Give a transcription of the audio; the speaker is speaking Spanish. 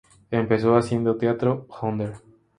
Empezó haciendo teatro under.